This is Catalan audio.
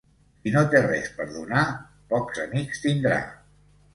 Qui no té res per donar, pocs amics tindrà.